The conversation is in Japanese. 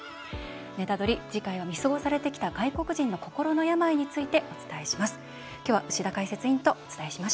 「ネタドリ！」、次回は見過ごされてきた外国人の心の病についてお伝えします。